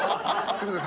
すいません